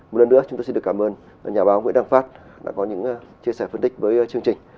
một lần nữa chúng tôi xin được cảm ơn nhà báo nguyễn đăng phát đã có những chia sẻ phân tích với chương trình